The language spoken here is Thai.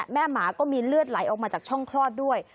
หมาก็มีเลือดไหลออกมาจากช่องคลอดด้วย